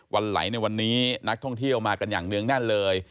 วันไหลในวันนี้นักท่องเที่ยวมากันอย่างเนื่องแน่นเลย